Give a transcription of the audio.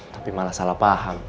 tapi malah salah paham